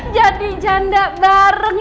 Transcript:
jadi janda bareng